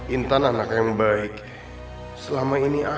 intan harus tinggal di rumah ini